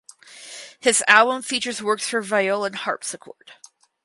His album features works for viola and harpsichord.